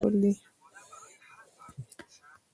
یوه لاره د مارکس او انګلز اثارو ته مراجعه کول دي.